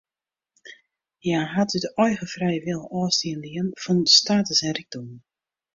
Hja hat út eigen frije wil ôfstân dien fan status en rykdom.